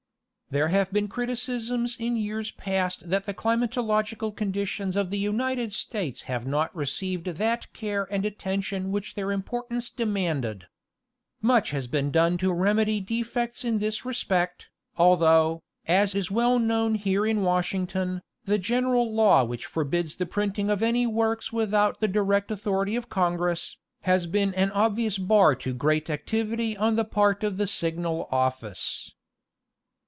There have been criticisms in years past that the climatological conditions of the United States have not received that care and attention which their importance demanded. Much has been done to remedy defects in this respect, although, as is well known here in Washington, the general law which forbids the printing of any works without the direct authority of Congress, has been an obvious bar to great activity on the part of the Signal Office. 54 National Geographic Magazine.